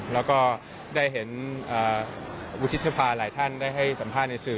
แล้วก็ได้เห็นวุฒิสภาหลายท่านได้ให้สัมภาษณ์ในสื่อ